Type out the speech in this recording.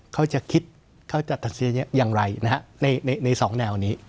เขาจะคิดเขาจะธักษ์เสียงเงี้ยอย่างไรนะฮะในในสองแนวนี้